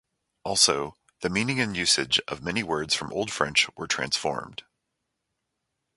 Also, the meaning and usage of many words from Old French were transformed.